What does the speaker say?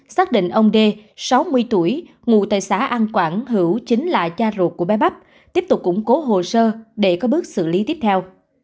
xác định ông đê sáu mươi tuổi ngụ tại xã an quảng hữu chính là cha ruột của bé bắp tiếp tục củng cố hồ sơ để có bước xử lý tiếp theo